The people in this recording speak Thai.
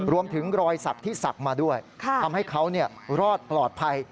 รวมถึงรอยสักที่สักมาด้วยทำให้เขาเนี่ยรอดปลอดภัย